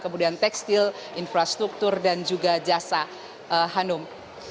kemudian tekstil infrastruktur dan juga jasa hanum